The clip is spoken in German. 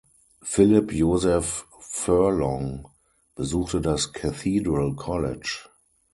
Philip Joseph Furlong besuchte das "Cathedral College".